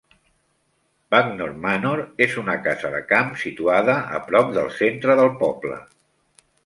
Bagnor Manor és una casa de camp situada a pro del centre del poble.